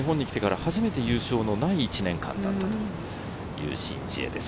昨シーズンは日本に来てから初めて優勝のない１年間だったという、シン・ジエです。